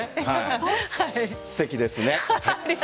すてきですね。